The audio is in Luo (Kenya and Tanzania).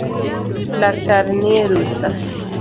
Laktar nie rusaa